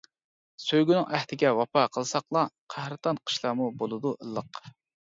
سۆيگۈنىڭ ئەھدىگە ۋاپا قىلساقلا، قەھرىتان قىشلارمۇ بولىدۇ ئىللىق.